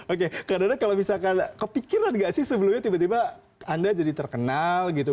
oke kak dada kalau misalkan kepikiran gak sih sebelumnya tiba tiba anda jadi terkenal gitu